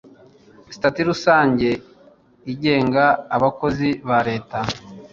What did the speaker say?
sitati rusange igenga abakozi ba leta